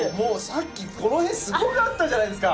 さっきこの辺すごかったじゃないですか。